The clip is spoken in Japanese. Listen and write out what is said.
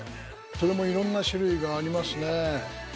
それもいろんな種類がありますね。